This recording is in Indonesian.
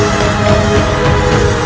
ini dalam lintas